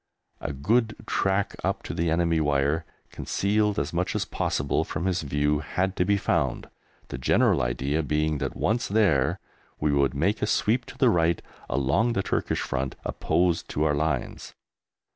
A good track up to the enemy wire, concealed as much as possible from his view, had to be found, the general idea being that once there we would make a sweep to the right along the Turkish front opposed to our lines.